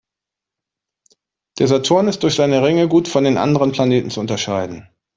Der Saturn ist durch seine Ringe gut von den anderen Planeten zu unterscheiden.